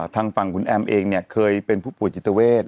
ทางฟังคุณแอมเองเคยเป็นผู้ป่วยจิตเวศ